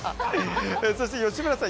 そして吉村さん